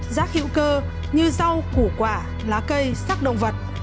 rác hữu cơ như rau củ quả lá cây sắc động vật